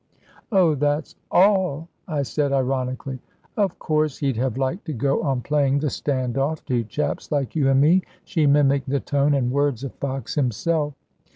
"Oh, that's all," I said, ironically. "Of course he'd have liked to go on playing the stand off to chaps like you and me," she mimicked the tone and words of Fox himself.